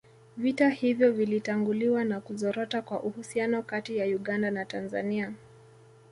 Vita hivyo vilitanguliwa na kuzorota kwa uhusiano kati ya Uganda na Tanzania